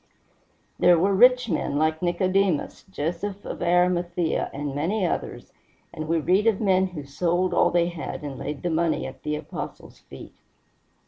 There were rich men like Nicodemus, Joseph of Arimathea, and many others, and we read of men who sold all they had and laid the money at the Apostles' feet.